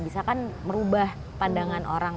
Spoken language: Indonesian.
bisa kan merubah pandangan orang